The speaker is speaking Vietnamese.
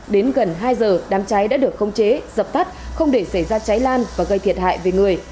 đến gần hai giờ đám cháy đã được khống chế dập tắt không để xảy ra cháy lan và gây thiệt hại về người